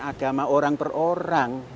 agama orang per orang